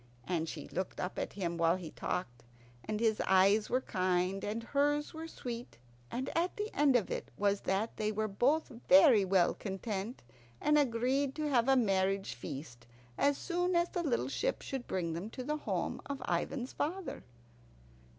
And she looked up at him while he talked, and his eyes were kind and hers were sweet; and the end of it was that they were both very well content, and agreed to have a marriage feast as soon as the little ship should bring them to the home of Ivan's father.